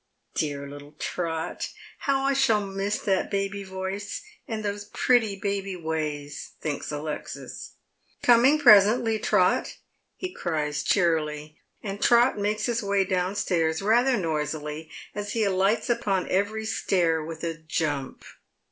"Dear little Trot! How I shall miss that baby voice, and those pretty baby ways !" thinks Alexis. " Coming presently, Trot," he cries cheerily, and Trot makes his way downstair* rather noisily, as he alights upon every stair with a jump.